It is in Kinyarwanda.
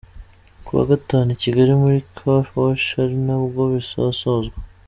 kuwa gatanu i Kigali muri Car wash ari nabwo bizasozwa.